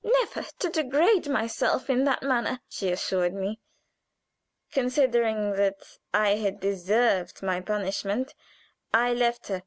"'Never, to degrade yourself in that manner,' she assured me. "Considering that I had deserved my punishment, I left her.